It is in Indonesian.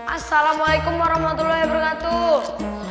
assalamualaikum warahmatullahi wabarakatuh